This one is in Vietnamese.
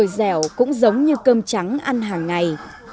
dẻo cũng giống như cơm trắng ăn hàng ngày